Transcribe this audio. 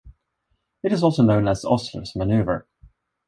It is also known as "Osler's maneuver".